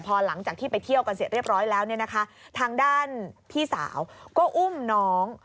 พอหลังจากที่ไปเที่ยวกันเสร็จเรียบร้อยแล้วเนี่ยนะคะทางด้านพี่สาวก็อุ้มน้อง